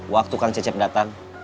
waktu kang cecep datang